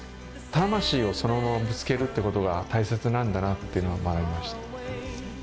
魂をそのままぶつけるってことが大切なんだなっていうのは学びました。